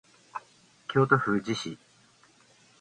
京都府宇治市